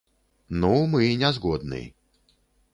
Ну, мы не згодны.